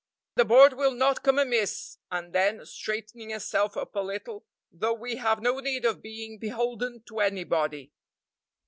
"The board will not come amiss," and then, straightening herself up a little, "though we have no need of being beholden to anybody."